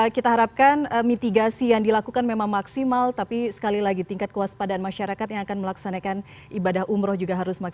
kita harapkan mitigasi yang dilakukan memang maksimal tapi sekali lagi tingkat kewaspadaan masyarakat yang akan melaksanakan ibadah umroh juga harus maksimal